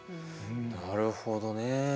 なるほどね。